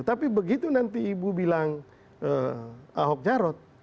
tapi begitu nanti ibu bilang ahok jarot